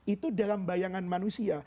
itu dalam bayangan manusia